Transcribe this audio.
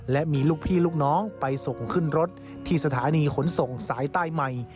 และมีลูกพี่ลูกน้องไปส่งขึ้นรถที่สถานีขนส่งสายใต้ใหม่